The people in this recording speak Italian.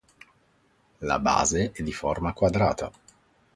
La base è di forma quadrata.